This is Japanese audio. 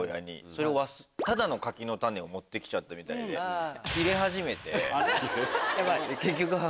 それを忘れてただの柿の種を持ってきちゃったみたいでキレ始めて。